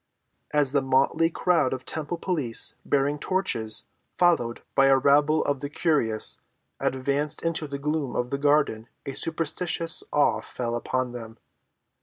As the motley crowd of temple police, bearing torches, followed by a rabble of the curious, advanced into the gloom of the garden a superstitious awe fell upon them.